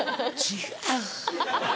「違う」。